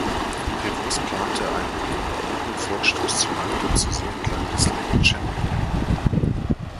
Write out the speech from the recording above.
Prevost plante einen kombinierten Vorstoß zu Land und zu See entlang des Lake Champlain.